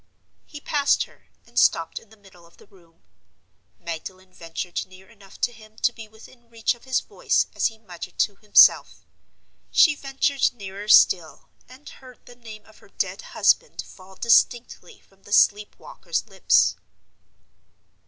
He passed her, and stopped in the middle of the room. Magdalen ventured near enough to him to be within reach of his voice as he muttered to himself. She ventured nearer still, and heard the name of her dead husband fall distinctly from the sleep walker's lips.